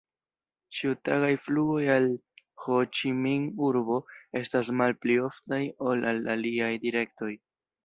Ĉiutagaj flugoj al Ho-Ĉi-Min-urbo estas malpli oftaj ol al aliaj direktoj.